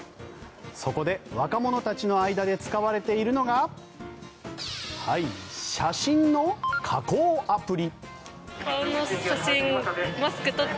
そこで若者たちの間で使われているのが写真の加工アプリ。